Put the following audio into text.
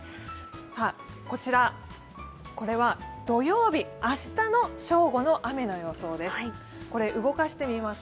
これは土曜日、明日の正午の雨の予想です。